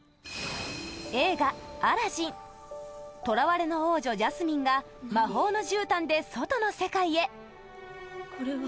映画「アラジン」とらわれの王女ジャスミンが魔法のじゅうたんで外の世界へジャスミン：これは？